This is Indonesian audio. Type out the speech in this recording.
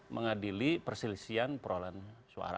mengadili perselisihan perolahan suara